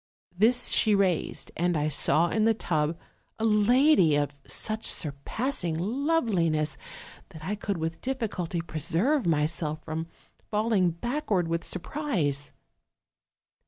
This she raised, and I saw in the tub a lady of such surpassing loveliness that I could with difficulty preserve myself from falling backward with surprise.